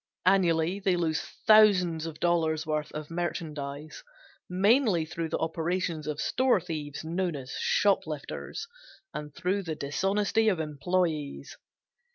Annually they lose thousands of dollars worth of merchandise mainly through the operations of store thieves known as shoplifters, and through the dishonesty of employes.